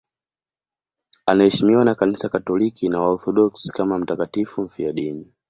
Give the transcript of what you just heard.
Anaheshimiwa na Kanisa Katoliki na Waorthodoksi kama mtakatifu mfiadini.